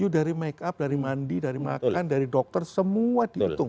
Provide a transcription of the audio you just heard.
tujuh dari make up dari mandi dari makan dari dokter semua dihitung